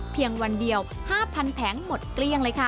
เพียงวันเดียว๕๐๐แผงหมดเกลี้ยงเลยค่ะ